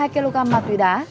hai kg ma túy đá